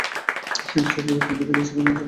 কিন্তু চাঁদপুরে কাঙ্ক্ষিত ইলিশ এখনো আসা শুরু হয়নি।